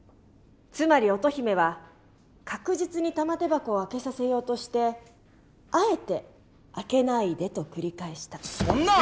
つまり乙姫は確実に玉手箱を開けさせようとしてあえて「開けないで」と繰り返した。